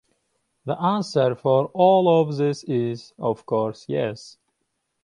The answer for all of these is, of course, yes.